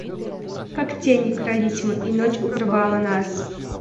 Как тени, крались мы, и ночь укрывала нас.